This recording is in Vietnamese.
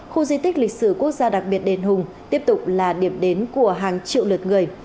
khu di tích lịch sử quốc gia đặc biệt đền hùng tiếp tục là điểm đến của hàng triệu lượt người